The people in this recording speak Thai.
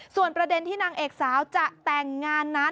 ส่วนประเด็นที่นางเอกสาวจะแต่งงานนั้น